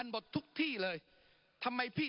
ปรับไปเท่าไหร่ทราบไหมครับ